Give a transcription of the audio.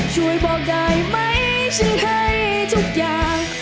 ช่วยบอกได้ไหมฉันให้ทุกอย่าง